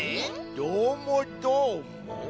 どーもどーも？